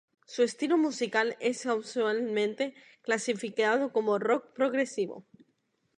Su estilo musical es usualmente clasificado como rock progresivo.